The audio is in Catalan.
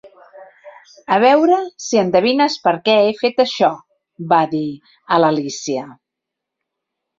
"A veure si endevines per què he fet això", va dir a l'Alícia.